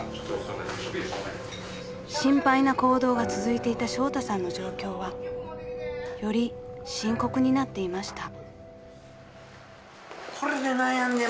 ［心配な行動が続いていたショウタさんの状況はより深刻になっていました］